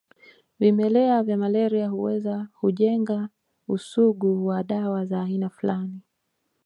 Vimelea vya malaria huweza hujenga usugu kwa dawa za aina fulani